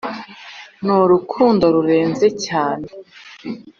N'urukundo rurenze cyane